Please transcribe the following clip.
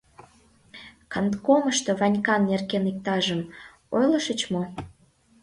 — Канткомышто Ванькан нерген иктажым ойлышыч мо?